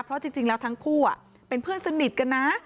เพราะจริงแล้วทั้งคู่เป็นเพื่อนสนิทกันนะ